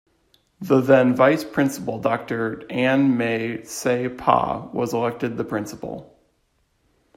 The then vice-principal Doctor Anna May Say Pa was elected the principal.